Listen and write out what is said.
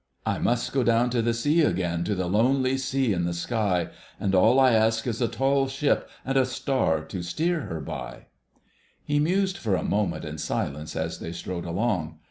— "'I must go down to the sea again, to the lonely sea and the sky, And all I ask is a tall ship, and a star to steer her by.'" [#] John Masefield. He mused for a moment in silence as they strode along.